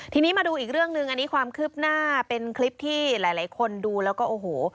ทีนี้มาดูอีกเรื่องหนึ่งอันนี้ความคืบหน้าเป็นคลิปที่หลายคนดูแล้วก็โอ้โห